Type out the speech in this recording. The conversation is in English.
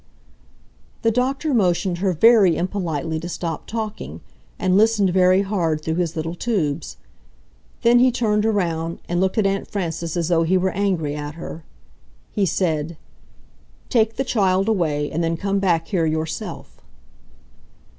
The doctor motioned her very impolitely to stop talking, and listened very hard through his little tubes. Then he turned around and looked at Aunt Frances as though he were angry at her. He said, "Take the child away and then come back here yourself."